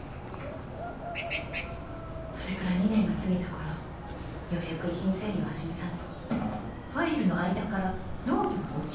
それから２年が過ぎた頃ようやく遺品整理を始めたの。